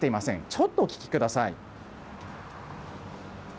ちょっとお聞きください。